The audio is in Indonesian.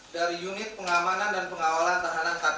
dari unit pengamanan dan pengawalan tahanan kpk